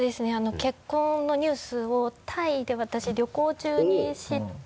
結婚のニュースをタイで私旅行中に知って。